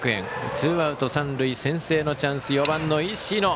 ツーアウト、三塁先制のチャンス、４番の石野。